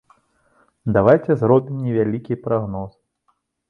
Давайце зробім невялікі прагноз.